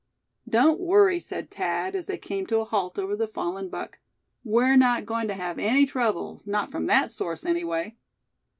"Don't worry," said Thad, as they came to a halt over the fallen buck; "we're not going to have any trouble not from that source, anyway."